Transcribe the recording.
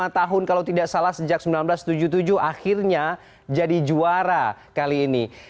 lima tahun kalau tidak salah sejak seribu sembilan ratus tujuh puluh tujuh akhirnya jadi juara kali ini